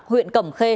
huyện cẩm khê